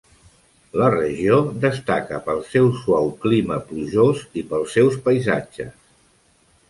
La regió destaca pel seu suau clima plujós i pels seus paisatges.